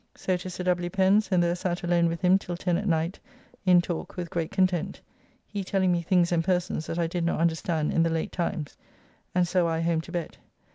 So to Sir W. Pen's, and there sat alone with him till ten at night in talk with great content, he telling me things and persons that I did not understand in the late times, and so I home to bed.